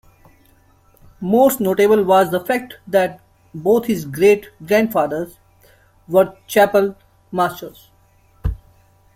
Most notable was the fact that both his great-grandfathers were Chapel Masters.